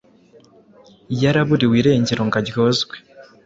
yaraburiwe irengero ngo aryozwe